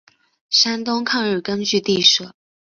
山东抗日根据地设。